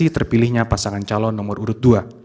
terpilihnya pasangan calon nomor urut dua